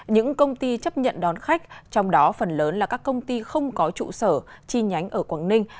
những công ty chấp nhận đón khách trong đó phần lớn là các công ty không có trụ sở chi nhánh ở quảng ninh